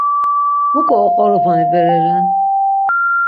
Muǩo oqoroponi bere ren.